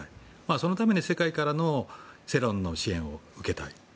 そのために世界からの世論からの支援を受けたい。